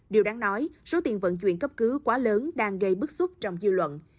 điều đáng nói số tiền vận chuyển cấp cứu quá lớn đang gây bức xúc trong dư luận